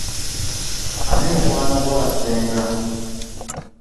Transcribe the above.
Ani mukwano gwo asinga?